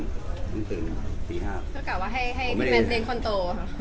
คำตอบว่าให้พี่แม็ดเลี้ยงคนโต